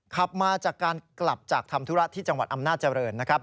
ขับมาจากการกลับจากทำธุระที่จังหวัดอำนาจเจริญนะครับ